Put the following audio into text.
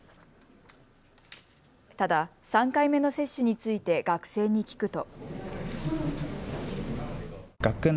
ただ、３回目の接種について学生に聞くと。